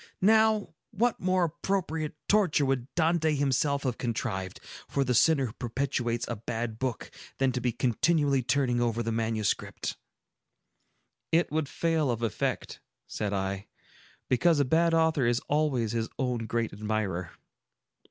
Now, what more appropriate torture would Dante himself have contrived, for the sinner who perpetrates a bad book, than to be continually turning over the manuscript?" "It would fail of effect," said I, "because a bad author is always his own great admirer."